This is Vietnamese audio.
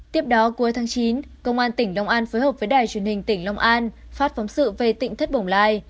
tiếp đó cuối tháng chín công an tỉnh long an phối hợp với đài truyền hình tỉnh long an phát phóng sự về tỉnh thất bồng lai